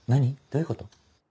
どういうこと？